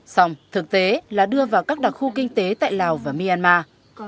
xong thực tế là đưa vào các đặc khu kinh tế tại lào và myanmar